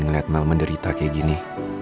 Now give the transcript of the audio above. ngeliat mal menderita kayak gini